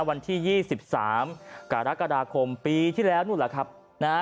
วันที่๒๓กรกฎาคมปีที่แล้วนู่นแหละครับนะฮะ